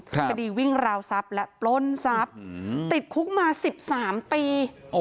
คดีวิ่งราวทรัพย์และปล้นทรัพย์ติดคุกมา๑๓ปี